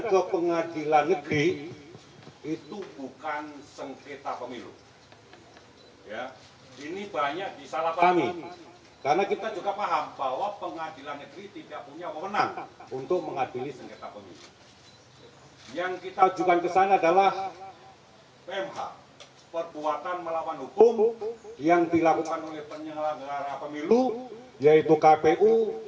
yang dilakukan oleh penyelenggara pemilu yaitu kpu